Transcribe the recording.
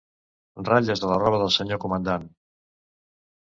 Ratlles a la roba del senyor comandant.